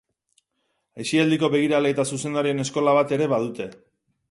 Aisialdiko begirale eta zuzendarien eskola bat ere badute.